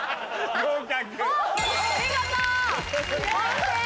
合格。